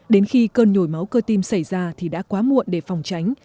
đến khi cơn nhồi máu cơ tim xảy ra thì đã quá muộn để phòng tránh